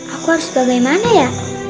aku harus bagaimana ya